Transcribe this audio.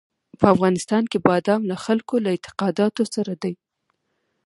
په افغانستان کې بادام له خلکو له اعتقاداتو سره دي.